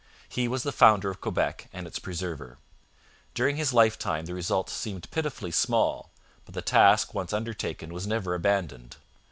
He was the founder of Quebec and its preserver. During his lifetime the results seemed pitifully small, but the task once undertaken was never abandoned.